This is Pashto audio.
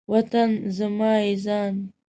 وطن زما یی ځان